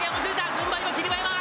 軍配は霧馬山。